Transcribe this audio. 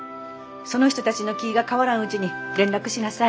その人たちの気が変わらんうちに連絡しなさい。